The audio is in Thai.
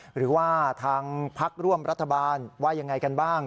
หรือว่าทางพักร่วมรัฐบาลว่ายังไงกันบ้าง